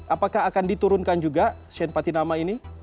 apakah akan diturunkan juga shane patinama ini